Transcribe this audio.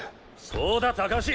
そうだ橋！